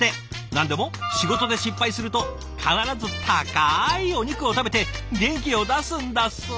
何でも仕事で失敗すると必ず高いお肉を食べて元気を出すんだそう。